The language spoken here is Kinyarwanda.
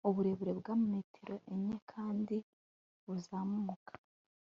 uburebure bwa metero enye kandi buzamuka !